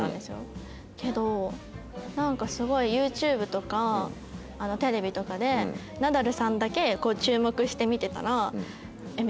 ＹｏｕＴｕｂｅとかテレビとかでナダルさんだけこう注目して見てたらえっ